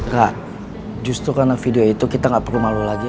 nah justru karena video itu kita nggak perlu malu lagi